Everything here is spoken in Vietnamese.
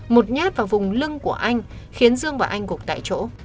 một nhát vào vùng lưng của anh khiến dương và anh gục tại chỗ